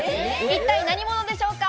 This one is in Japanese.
一体何者でしょうか？